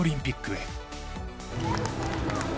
へ